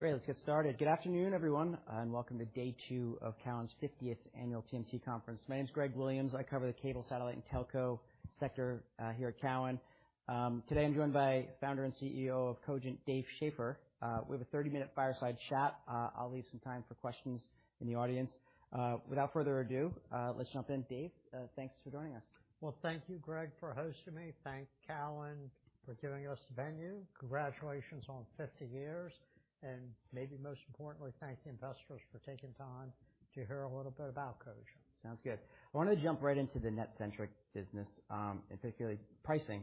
Great. Let's get started. Good afternoon, everyone, and welcome to day two of Cowen's 50th Annual TMT Conference. My name is Greg Williams. I cover the cable, satellite, and telco sector here at Cowen. Today I'm joined by Founder and CEO of Cogent, Dave Schaeffer. We have a 30-minute fireside chat. I'll leave some time for questions in the audience. Without further ado, let's jump in. Dave, thanks for joining us. Well, thank you, Greg, for hosting me. Thank Cowen for giving us the venue. Congratulations on 50 years, and maybe most importantly, thank the investors for taking time to hear a little bit about Cogent. Sounds good. I want to jump right into the NetCentric business and particularly pricing.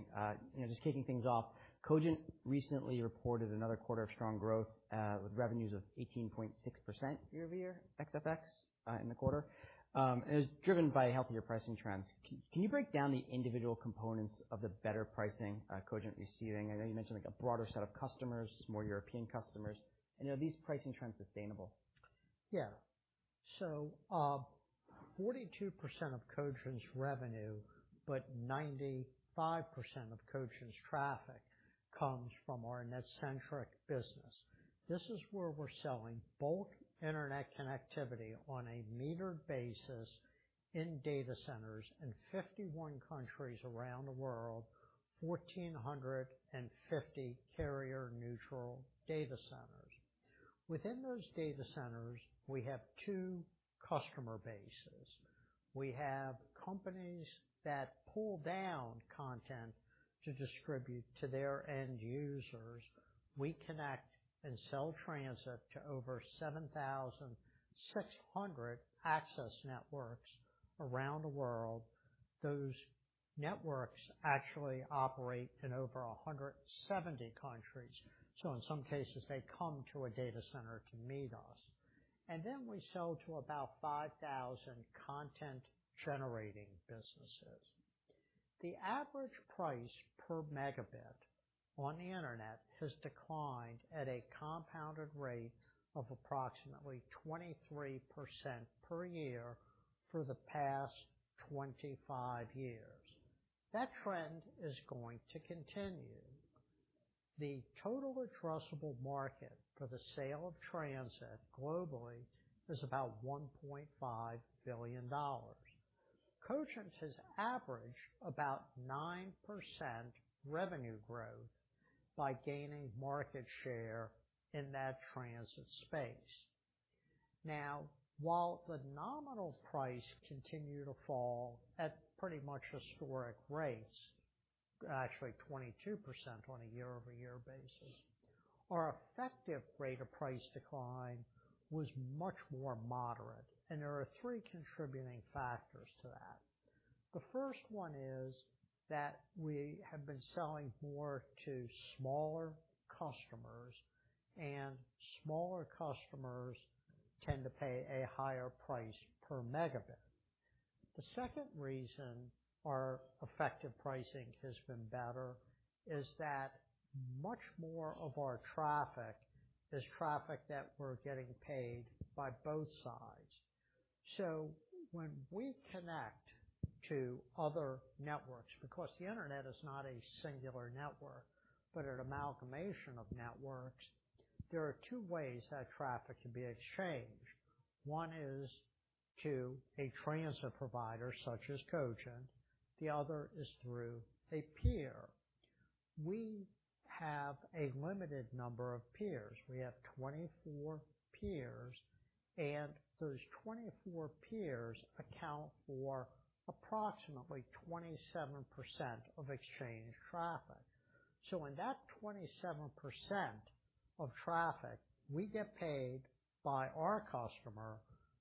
You know, just kicking things off. Cogent recently reported another quarter of strong growth with revenues of 18.6% year-over-year ex-FX in the quarter and it was driven by healthier pricing trends. Can you break down the individual components of the better pricing Cogent receiving? I know you mentioned, like, a broader set of customers, more European customers, and are these pricing trends sustainable? Yeah. Forty-two percent of Cogent's revenue, but 95% of Cogent's traffic comes from our NetCentric business. This is where we're selling bulk internet connectivity on a metered basis in data centers in 51 countries around the world, 1,450 carrier neutral data centers. Within those data centers, we have two customer bases. We have companies that pull down content to distribute to their end users. We connect and sell transit to over 7,600 access networks around the world. Those networks actually operate in over 170 countries, so in some cases they come to a data center to meet us. We sell to about 5,000 content generating businesses. The average price per megabit on the internet has declined at a compounded rate of approximately 23% per year for the past 25 years. That trend is going to continue. The total addressable market for the sale of transit globally is about $1.5 billion. Cogent has averaged about 9% revenue growth by gaining market share in that transit space. Now, while the nominal price continued to fall at pretty much historic rates, actually 22% on a year-over-year basis, our effective rate of price decline was much more moderate, and there are three contributing factors to that. The first one is that we have been selling more to smaller customers, and smaller customers tend to pay a higher price per megabit. The second reason our effective pricing has been better is that much more of our traffic is traffic that we're getting paid by both sides. When we connect to other networks, because the Internet is not a singular network, but an amalgamation of networks, there are two ways that traffic can be exchanged. One is to a transit provider such as Cogent, the other is through a peer. We have a limited number of peers. We have 24 peers, and those 24 peers account for approximately 27% of exchanged traffic. In that 27% of traffic, we get paid by our customer,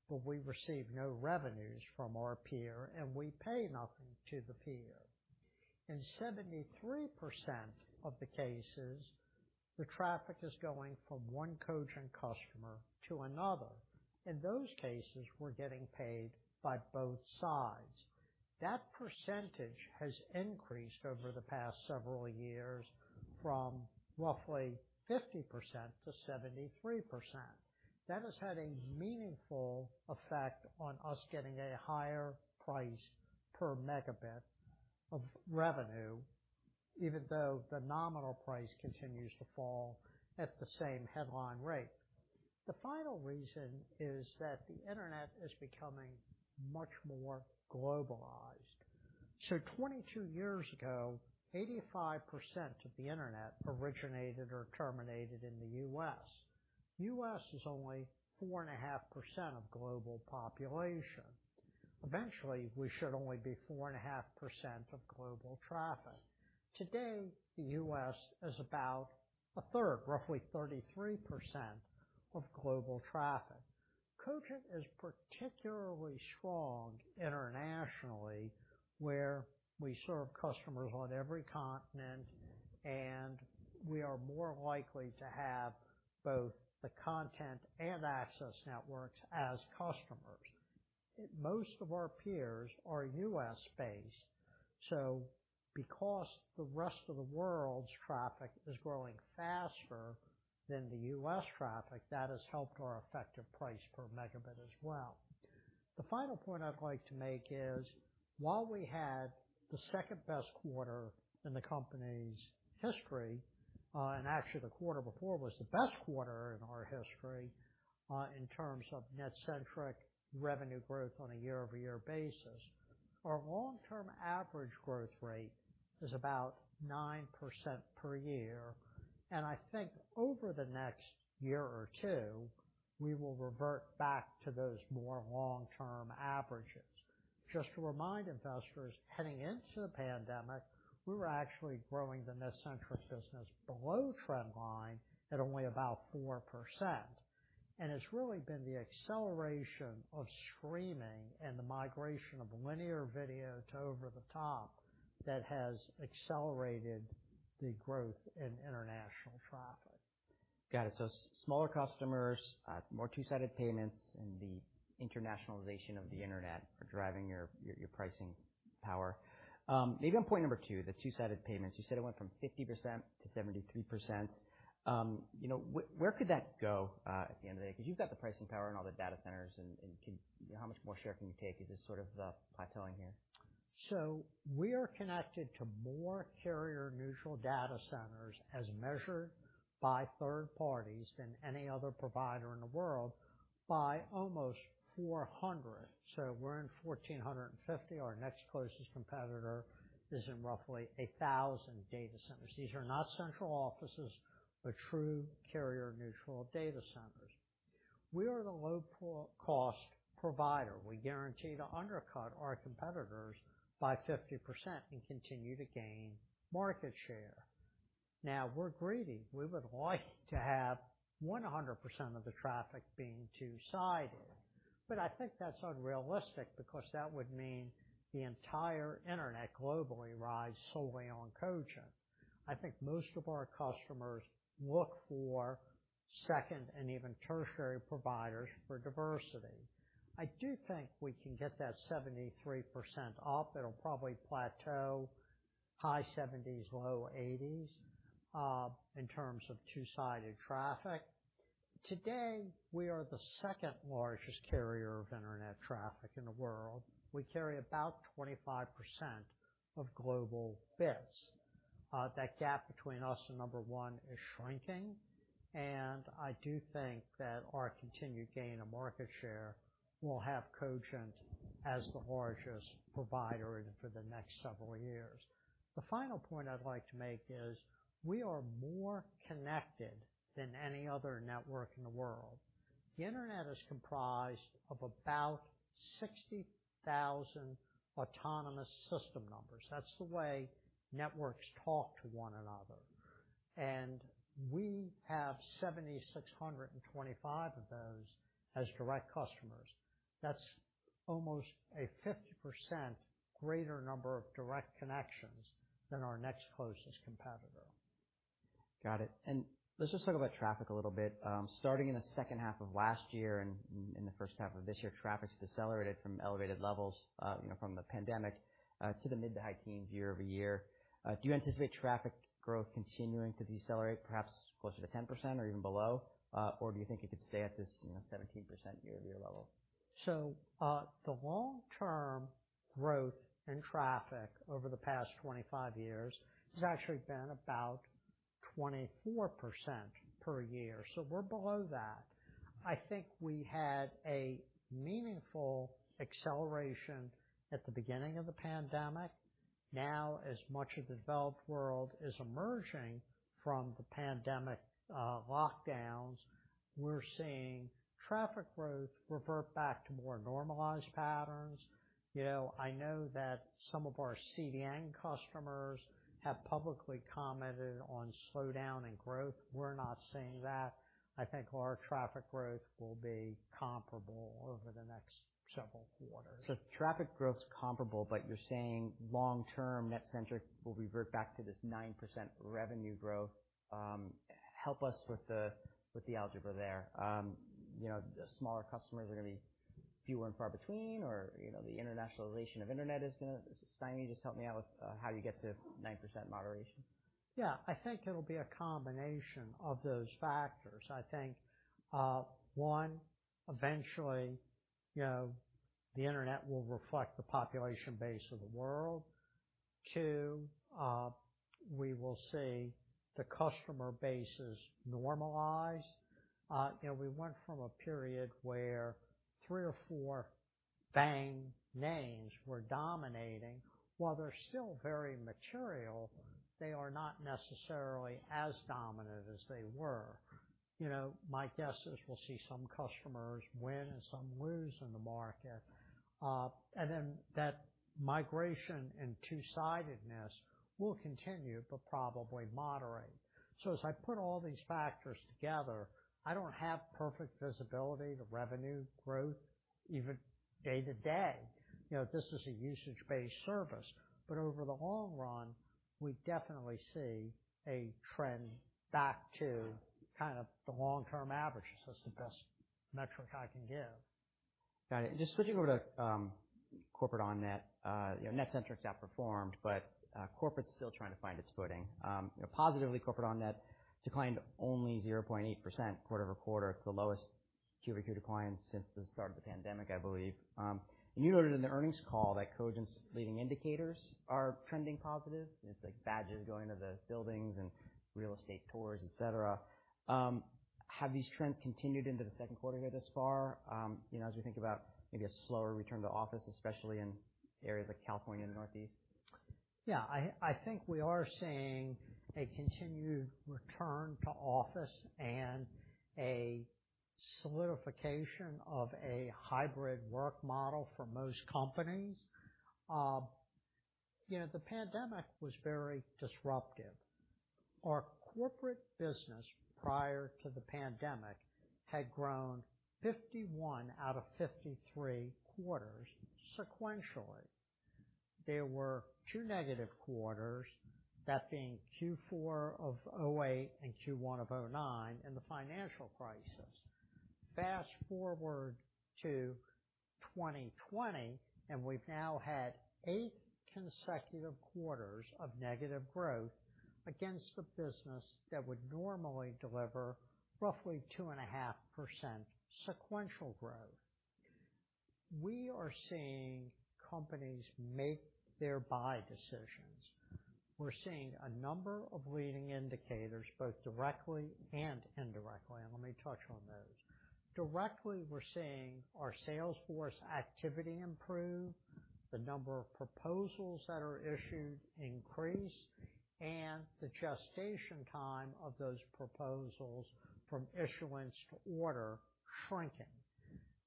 but we receive no revenues from our peer, and we pay nothing to the peer. In 73% of the cases, the traffic is going from one Cogent customer to another. In those cases, we're getting paid by both sides. That percentage has increased over the past several years from roughly 50% to 73%. That has had a meaningful effect on us getting a higher price per megabit of revenue, even though the nominal price continues to fall at the same headline rate. The final reason is that the Internet is becoming much more globalized. 22 years ago, 85% of the Internet originated or terminated in the U.S.. U.S. is only 4.5% of global population. Eventually, we should only be 4.5% of global traffic. Today, the U.S. is about 1/3, roughly 33% of global traffic. Cogent is particularly strong internationally, where we serve customers on every continent, and we are more likely to have both the content and access networks as customers. Most of our peers are U.S.-based, so because the rest of the world's traffic is growing faster than the U.S. traffic, that has helped our effective price per megabit as well. The final point I'd like to make is, while we had the second best quarter in the company's history, and actually the quarter before was the best quarter in our history, in terms of NetCentric revenue growth on a year-over-year basis, our long-term average growth rate is about 9% per year. I think over the next year or two, we will revert back to those more long-term averages. Just to remind investors, heading into the pandemic, we were actually growing the NetCentric business below trend line at only about 4%. It's really been the acceleration of streaming and the migration of linear video to over-the-top that has accelerated the growth in international traffic. Got it. Smaller customers, more two-sided payments, and the internationalization of the Internet are driving your pricing power. Maybe on point number two, the two-sided payments. You said it went from 50% to 73%. You know, where could that go at the end of the day? Because you've got the pricing power and all the data centers, and how much more share can you take? Is this sort of plateauing here? We are connected to more carrier-neutral data centers as measured by third parties than any other provider in the world by almost 400. We're in 1,450. Our next closest competitor is in roughly 1,000 data centers. These are not central offices, but true carrier-neutral data centers. We are the lowest-cost provider. We guarantee to undercut our competitors by 50% and continue to gain market share. Now, we're greedy. We would like to have 100% of the traffic being two-sided, but I think that's unrealistic because that would mean the entire Internet globally rides solely on Cogent. I think most of our customers look for second and even tertiary providers for diversity. I do think we can get that 73% up. It'll probably plateau high 70s, low 80s, in terms of two-sided traffic. Today, we are the second largest carrier of Internet traffic in the world. We carry about 25% of global bits. That gap between us and number one is shrinking, and I do think that our continued gain of market share will have Cogent as the largest provider for the next several years. The final point I'd like to make is we are more connected than any other network in the world. The Internet is comprised of about 60,000 autonomous system numbers. That's the way networks talk to one another. We have 7,625 of those as direct customers. That's almost a 50% greater number of direct connections than our next closest competitor. Got it. Let's just talk about traffic a little bit. Starting in the second half of last year and in the first half of this year, traffic's decelerated from elevated levels, you know, from the pandemic, to the mid to high teens year-over-year. Do you anticipate traffic growth continuing to decelerate perhaps closer to 10% or even below? Or do you think it could stay at this, you know, 17% year-over-year level? The long-term growth in traffic over the past 25 years has actually been about 24% per year. We're below that. I think we had a meaningful acceleration at the beginning of the pandemic. Now, as much of the developed world is emerging from the pandemic, lockdowns, we're seeing traffic growth revert back to more normalized patterns. You know, I know that some of our CDN customers have publicly commented on slowdown in growth. We're not seeing that. I think our traffic growth will be comparable over the next several quarters. Traffic growth is comparable, but you're saying long term, NetCentric will revert back to this 9% revenue growth. Help us with the algebra there. You know, the smaller customers are gonna be fewer and far between, or, you know, the internationalization of Internet is gonna Dave Schaeffer, just help me out with how you get to 9% moderation. Yeah. I think it'll be a combination of those factors. I think, one, eventually, you know, the Internet will reflect the population base of the world. Two, we will see the customer bases normalize. You know, we went from a period where three or four bang names were dominating. While they're still very material, they are not necessarily as dominant as they were. You know, my guess is we'll see some customers win and some lose in the market. And then that migration and two-sidedness will continue but probably moderate. As I put all these factors together, I don't have perfect visibility to revenue growth even day to day. You know, this is a usage-based service. Over the long run, we definitely see a trend back to kind of the long-term average. It's the best metric I can give. Got it. Just switching over to Corporate on-net, you know, NetCentric outperformed, but corporate's still trying to find its footing. You know, positively corporate on-net declined only 0.8% quarter-over-quarter. It's the lowest Q-over-Q decline since the start of the pandemic, I believe. You noted in the earnings call that Cogent's leading indicators are trending positive. It's like badges going to the buildings and real estate tours, et cetera. Have these trends continued into the second quarter here thus far, you know, as we think about maybe a slower return to office, especially in areas like California and Northeast? Yeah, I think we are seeing a continued return to office and a solidification of a hybrid work model for most companies. You know, the pandemic was very disruptive. Our corporate business prior to the pandemic had grown 51 out of 53 quarters sequentially. There were two negative quarters, that being Q4 of 2008 and Q1 of 2009 in the financial crisis. Fast-forward to 2020, and we've now had eight consecutive quarters of negative growth against the business that would normally deliver roughly 2.5% sequential growth. We are seeing companies make their buy decisions. We're seeing a number of leading indicators, both directly and indirectly, and let me touch on those. Directly, we're seeing our sales force activity improve, the number of proposals that are issued increase, and the gestation time of those proposals from issuance to order shrinking.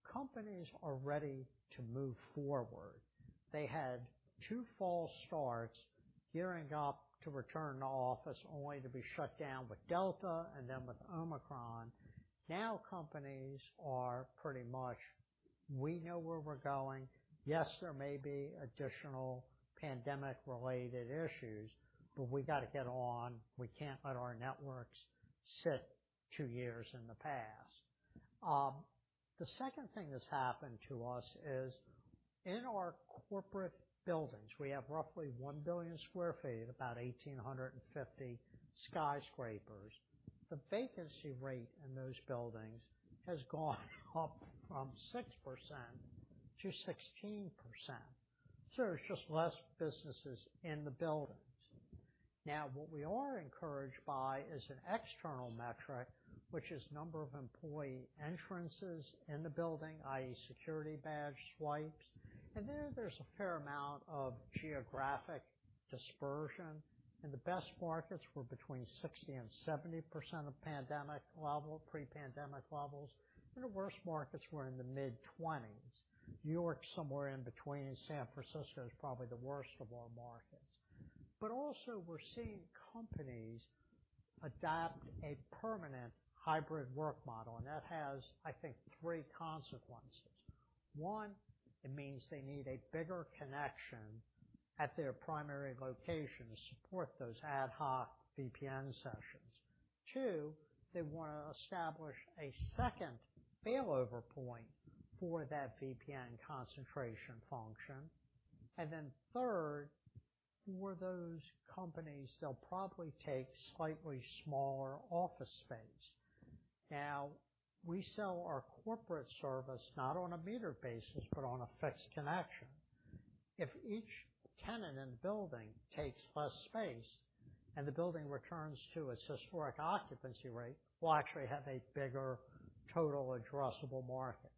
Companies are ready to move forward. They had two false starts gearing up to return to office, only to be shut down with Delta and then with Omicron. Now companies are pretty much, "We know where we're going. Yes, there may be additional pandemic-related issues, but we got to get on. We can't let our networks sit two years in the past." The second thing that's happened to us is in our corporate buildings, we have roughly 1 billion sq ft, about 1,850 skyscrapers. The vacancy rate in those buildings has gone up from 6% to 16%. There's just less businesses in the buildings. Now, what we are encouraged by is an external metric, which is number of employee entrances in the building, i.e. security badge swipes. There, there's a fair amount of geographic dispersion. In the best markets were between 60% and 70% of pre-pandemic levels. The worst markets were in the mid-20s. New York, somewhere in between. San Francisco is probably the worst of all markets. We're seeing companies adopt a permanent hybrid work model, and that has, I think, three consequences. One, it means they need a bigger connection at their primary location to support those ad hoc VPN sessions. Two, they want to establish a second failover point for that VPN concentration function. Third, for those companies, they'll probably take slightly smaller office space. Now, we sell our corporate service not on a meter basis, but on a fixed connection. If each tenant in the building takes less space, and the building returns to its historic occupancy rate, we'll actually have a bigger total addressable market.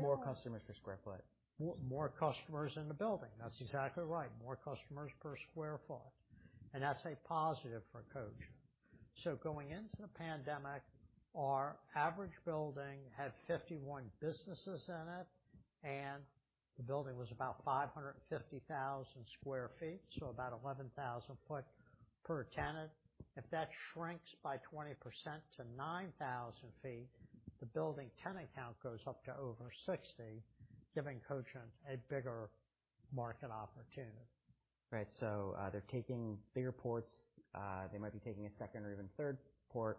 More customers per sq ft. More customers in the building. That's exactly right. More customers per square foot. That's a positive for Cogent. Going into the pandemic, our average building had 51 businesses in it, and the building was about 550,000 sq ft, so about 11,000 feet per tenant. If that shrinks by 20% to 9,000 feet, the building tenant count goes up to over 60, giving Cogent a bigger market opportunity. Right. They're taking bigger ports. They might be taking a second or even third port.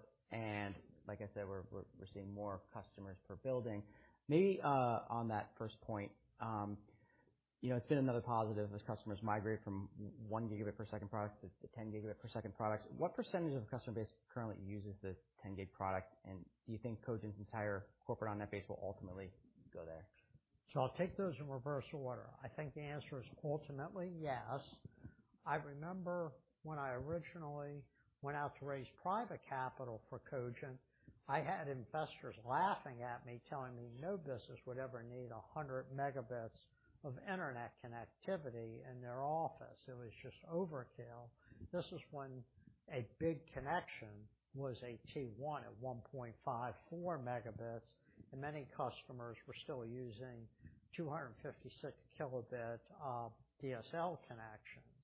Like I said, we're seeing more customers per building. Maybe, on that first point, you know, it's been another positive as customers migrate from 1 Gb per second products to 10 Gb per second products. What percentage of the customer base currently uses the 10 gig product? Do you think Cogent's entire customer on-net base will ultimately go there? I'll take those in reverse order. I think the answer is ultimately yes. I remember when I originally went out to raise private capital for Cogent, I had investors laughing at me, telling me no business would ever need 100 Mb of internet connectivity in their office. It was just overkill. This is when a big connection was a T1 at 1.54 Mb, and many customers were still using 256 Kb DSL connections.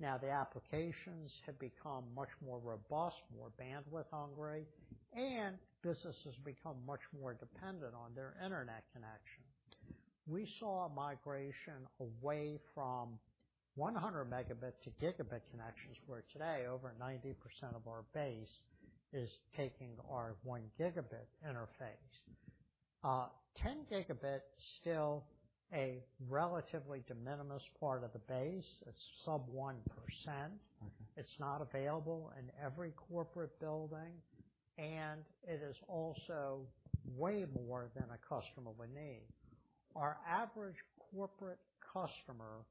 Now, the applications have become much more robust, more bandwidth hungry, and businesses become much more dependent on their internet connection. We saw a migration away from 100 Mb to Gb connections, where today over 90% of our base is taking our 1 Gb interface. 10 Gb still a relatively de minimis part of the base. It's sub 1%. It's not available in every corporate building, and it is also way more than a customer would need. Our average corporate customer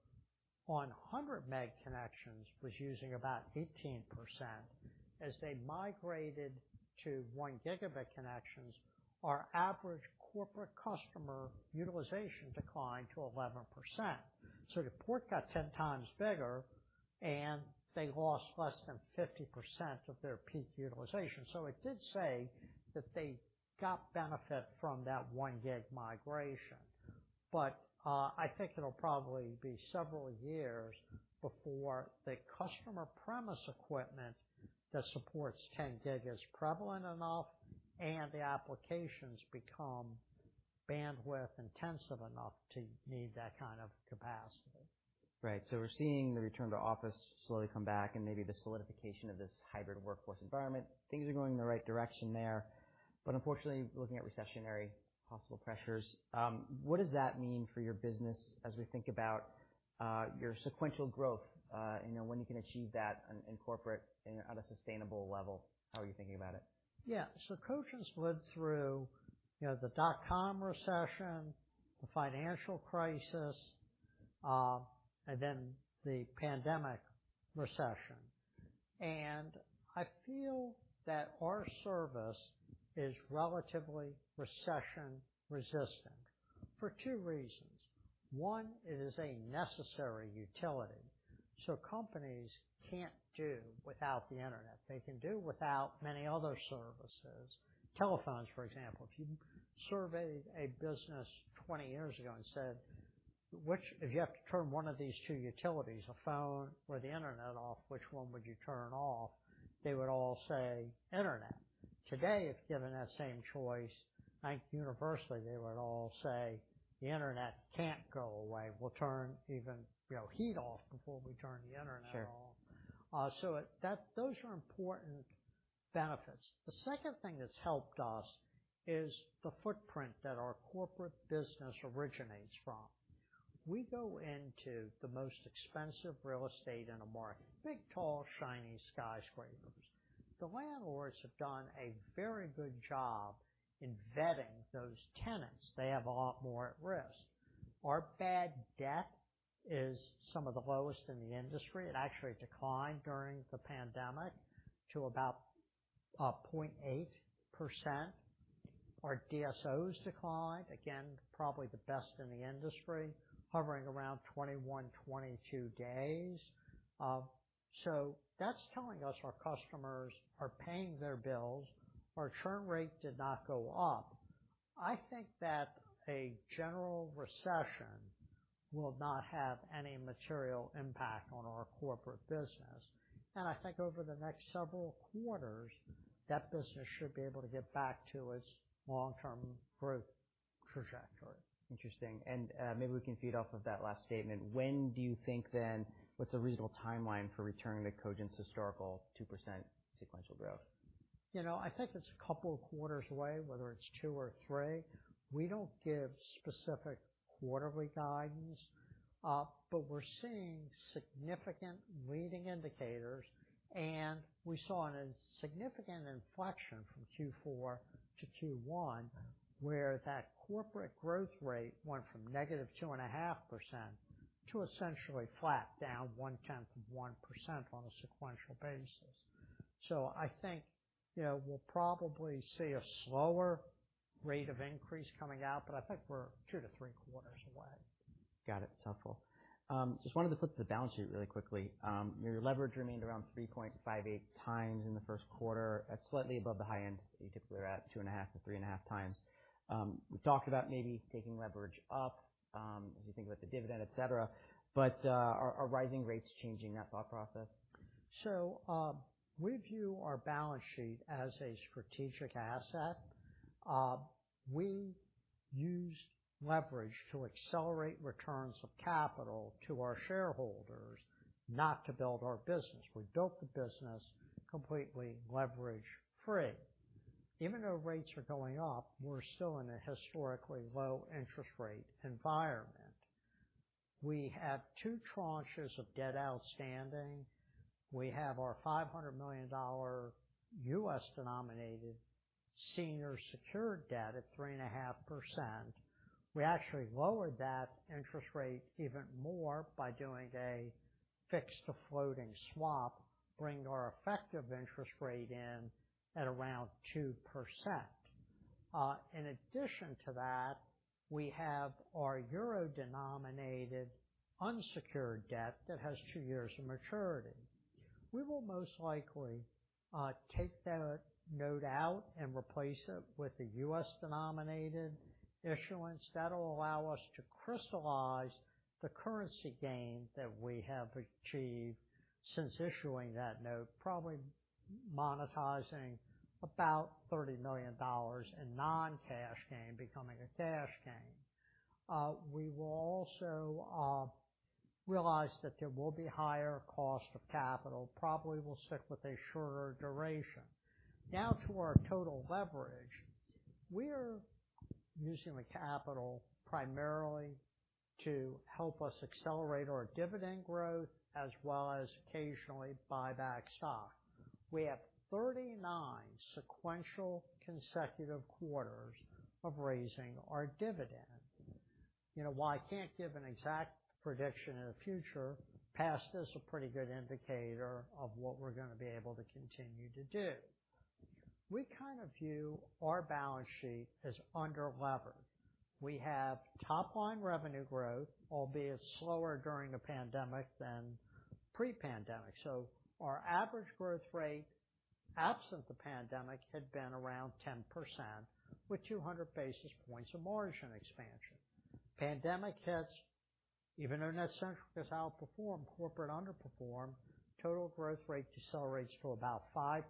on a 100 meg connections was using about 18%. As they migrated to 1 Gb connections, our average corporate customer utilization declined to 11%. The port got 10 times bigger, and they lost less than 50% of their peak utilization. It did say that they got benefit from that 1 gig migration. I think it'll probably be several years before the customer premise equipment that supports 10 gig is prevalent enough and the applications become bandwidth intensive enough to need that kind of capacity. Right. We're seeing the return to office slowly come back and maybe the solidification of this hybrid workforce environment. Things are going in the right direction there. Unfortunately, looking at recessionary possible pressures, what does that mean for your business as we think about your sequential growth, and when you can achieve that in corporate and at a sustainable level? How are you thinking about it? Yeah. Cogent's lived through, you know, the dot-com recession, the financial crisis, and then the pandemic recession. I feel that our service is relatively recession resistant for two reasons. One, it is a necessary utility, so companies can't do without the Internet. They can do without many other services. Telephones, for example. If you surveyed a business 20 years ago and said, "If you have to turn one of these two utilities, a phone or the internet off, which one would you turn off?" They would all say internet. Today, if given that same choice, I think universally they would all say, "The internet can't go away. We'll turn even, you know, heat off before we turn the internet off. Sure. Those are important benefits. The second thing that's helped us is the footprint that our corporate business originates from. We go into the most expensive real estate in a market, big, tall, shiny skyscrapers. The landlords have done a very good job in vetting those tenants. They have a lot more at risk. Our bad debt is some of the lowest in the industry. It actually declined during the pandemic to about 0.8%. Our DSOs declined, again, probably the best in the industry, hovering around 21-22 days. That's telling us our customers are paying their bills. Our churn rate did not go up. I think that a general recession will not have any material impact on our corporate business. I think over the next several quarters, that business should be able to get back to its long-term growth trajectory. Interesting. Maybe we can feed off of that last statement. When do you think then? What's a reasonable timeline for returning to Cogent's historical 2% sequential growth? You know, I think it's a couple of quarters away, whether it's two or three. We don't give specific quarterly guidance, but we're seeing significant leading indicators, and we saw a significant inflection from Q4 to Q1, where that corporate growth rate went from -2.5% to essentially flat, down 0.1% on a sequential basis. I think, you know, we'll probably see a slower rate of increase coming out, but I think we're two to three quarters away. Got it. It's helpful. Just wanted to flip to the balance sheet really quickly. Your leverage remained around 3.58 times in the first quarter at slightly above the high end. You typically are at 2.5-3.5 times. We talked about maybe taking leverage up, as you think about the dividend, et cetera. Are rising rates changing that thought process? We view our balance sheet as a strategic asset. We use leverage to accelerate returns of capital to our shareholders, not to build our business. We built the business completely leverage free. Even though rates are going up, we're still in a historically low interest rate environment. We have two tranches of debt outstanding. We have our $500 million U.S. denominated senior secured debt at 3.5%. We actually lowered that interest rate even more by doing a fixed to floating swap, bringing our effective interest rate in at around 2%. In addition to that, we have our euro-denominated unsecured debt that has two years of maturity. We will most likely take that note out and replace it with a U.S.-denominated issuance that'll allow us to crystallize the currency gain that we have achieved since issuing that note, probably monetizing about $30 million in non-cash gain becoming a cash gain. We will also realize that there will be higher cost of capital. Probably we'll stick with a shorter duration. Now to our total leverage. We're using the capital primarily to help us accelerate our dividend growth as well as occasionally buy back stock. We have 39 sequential consecutive quarters of raising our dividend. You know, while I can't give an exact prediction in the future, past is a pretty good indicator of what we're gonna be able to continue to do. We kind of view our balance sheet as underlevered. We have top line revenue growth, albeit slower during the pandemic than pre-pandemic. Our average growth rate, absent the pandemic, had been around 10% with 200 basis points of margin expansion. Pandemic hits, even though NetCentric has outperformed, corporate underperformed, total growth rate decelerates to about 5%.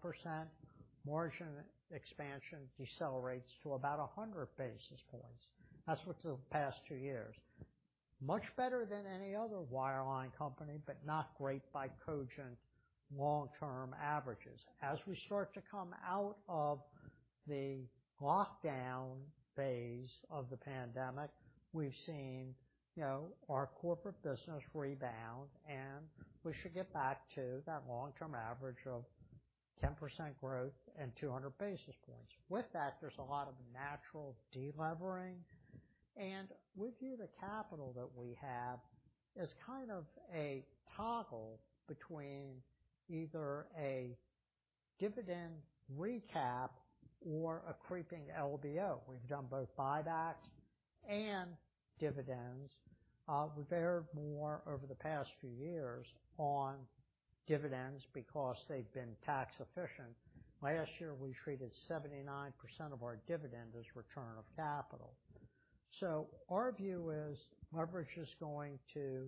Margin expansion decelerates to about 100 basis points. That's for the past two years. Much better than any other wireline company, but not great by Cogent long-term averages. As we start to come out of the lockdown phase of the pandemic, we've seen, you know, our corporate business rebound, and we should get back to that long-term average of 10% growth and 200 basis points. With that, there's a lot of natural de-levering, and we view the capital that we have as kind of a toggle between either a dividend recap or a creeping LBO. We've done both buybacks and dividends. We've erred more over the past few years on dividends because they've been tax efficient. Last year, we treated 79% of our dividend as return of capital. Our view is leverage is going to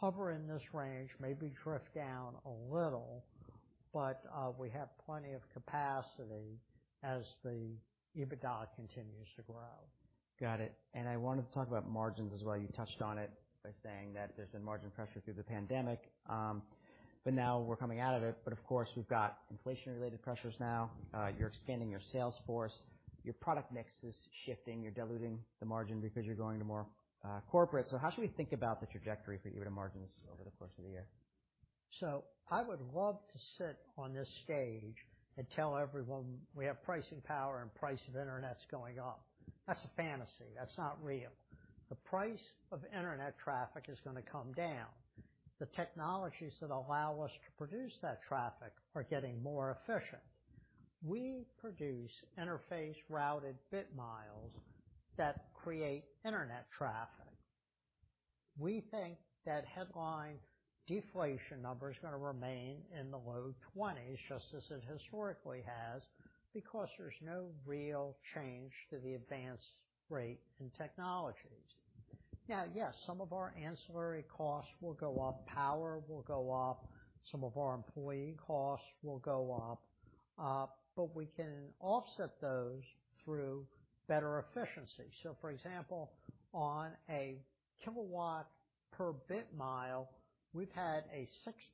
hover in this range, maybe drift down a little, but we have plenty of capacity as the EBITDA continues to grow. Got it. I wanted to talk about margins as well. You touched on it by saying that there's been margin pressure through the pandemic, but now we're coming out of it. Of course, we've got inflation related pressures now. You're expanding your sales force. Your product mix is shifting. You're diluting the margin because you're going to more corporate. How should we think about the trajectory for EBITDA margins over the course of the year? I would love to sit on this stage and tell everyone we have pricing power and price of Internet's going up. That's a fantasy. That's not real. The price of Internet traffic is gonna come down. The technologies that allow us to produce that traffic are getting more efficient. We produce interface-routed bit miles that create Internet traffic. We think that headline deflation number is gonna remain in the low twenties, just as it historically has, because there's no real change to the advance rate in technologies. Now, yes, some of our ancillary costs will go up, power will go up, some of our employee costs will go up, but we can offset those through better efficiency. So for example, on a kilowatt per bit mile, we've had a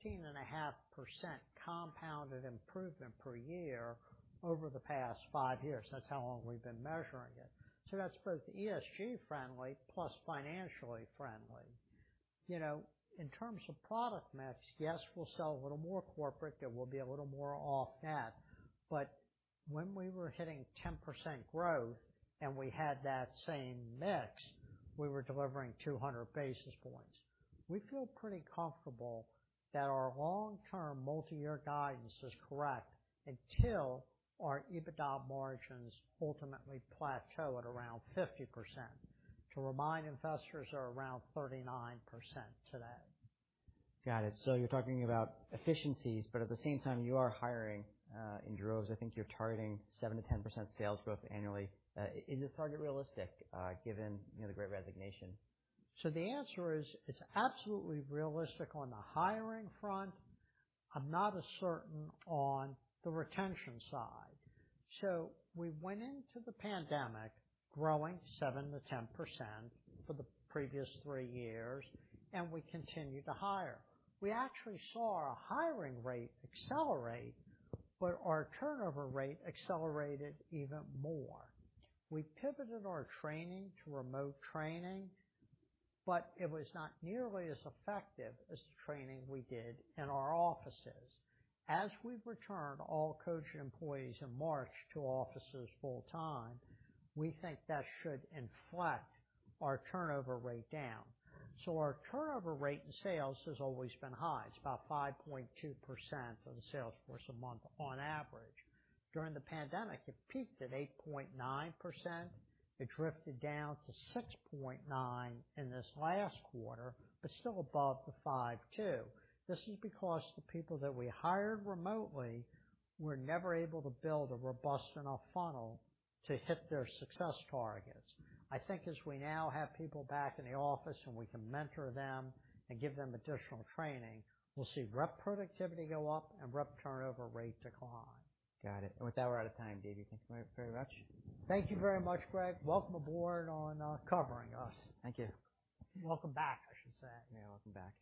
16.5% compounded improvement per year over the past five years. That's how long we've been measuring it. That's both ESG friendly plus financially friendly. You know, in terms of product mix, yes, we'll sell a little more corporate, it will be a little more off net. When we were hitting 10% growth and we had that same mix, we were delivering 200 basis points. We feel pretty comfortable that our long-term multi-year guidance is correct until our EBITDA margins ultimately plateau at around 50%. To remind investors, are around 39% today. Got it. You're talking about efficiencies, but at the same time, you are hiring in droves. I think you're targeting 7%-10% sales growth annually. Is this target realistic, given, you know, the great resignation? The answer is it's absolutely realistic on the hiring front. I'm not as certain on the retention side. We went into the pandemic growing 7%-10% for the previous three years, and we continued to hire. We actually saw our hiring rate accelerate, but our turnover rate accelerated even more. We pivoted our training to remote training, but it was not nearly as effective as the training we did in our offices. As we return all Cogent employees in March to offices full time, we think that should inflect our turnover rate down. Our turnover rate in sales has always been high. It's about 5.2% of the sales force a month on average. During the pandemic, it peaked at 8.9%. It drifted down to 6.9% in this last quarter, but still above the 5.2. This is because the people that we hired remotely were never able to build a robust enough funnel to hit their success targets. I think as we now have people back in the office and we can mentor them and give them additional training, we'll see rep productivity go up and rep turnover rate decline. Got it. With that, we're out of time, Dave. Thank you very much. Thank you very much, Greg. Welcome aboard on covering us. Thank you. Welcome back, I should say. Yeah, welcome back.